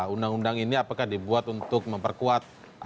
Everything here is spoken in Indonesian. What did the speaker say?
undang undang ini apakah dibuat untuk memperkuat